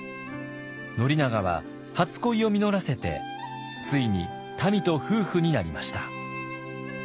宣長は初恋を実らせてついにたみと夫婦になりました。